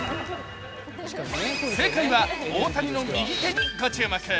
正解は、大谷の右手にご注目。